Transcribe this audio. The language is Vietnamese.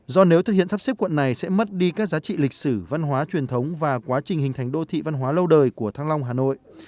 do nếu thực hiện sắp xếp quận này sẽ mất đi các giá trị lịch sử văn hóa truyền thống và quá trình hình thành đô thị văn hóa lâu đời của thăng long hà nội